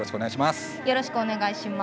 よろしくお願いします。